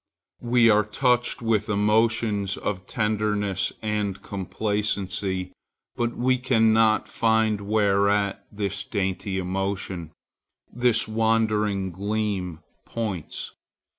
We are touched with emotions of tenderness and complacency, but we cannot find whereat this dainty emotion, this wandering gleam, points.